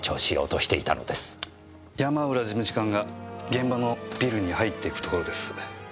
山浦事務次官が現場のビルに入っていくところです。